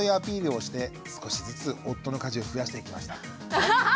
アハハハハ！